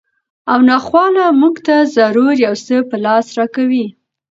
او ناخواله مونږ ته ضرور یو څه په لاس راکوي